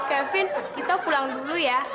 kevin kita pulang dulu ya